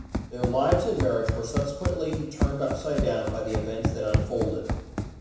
Their lives and marriage were subsequently turned upside down by the events that unfolded.